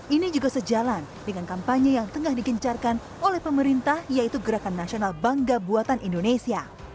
ini juga sejalan dengan kampanye yang tengah digencarkan oleh pemerintah yaitu gerakan nasional bangga buatan indonesia